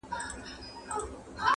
• دا یې هېر سول چي پردي دي وزرونه -